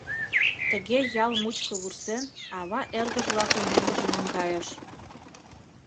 Тыге ял мучко вурсен, ава эргыж-влакым мӧҥгыжӧ наҥгайыш.